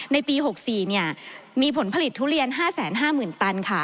ในปี๖๔มีผลผลิตทุเรียน๕๕๐๐๐ตันค่ะ